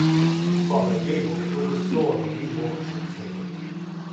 Father Gabel oversaw the relaunch of the paper.